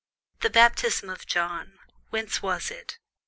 The baptism of John, whence was it?